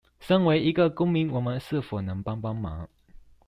身為一個公民我們是否能幫幫忙